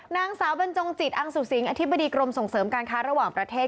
นางสาวบรรจงจิตอังสุสิงอธิบดีกรมส่งเสริมการค้าระหว่างประเทศ